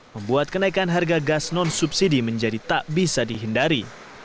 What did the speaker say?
membuat kenaikan harga gas non subsidi menjadi tak bisa dihindari